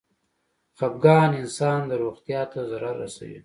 خپګان انسان د روغتيا ته ضرر رسوي.